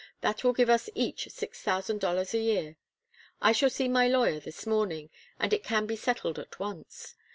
That will give us each six thousand dollars a year. I shall see my lawyer this morning and it can be settled at once.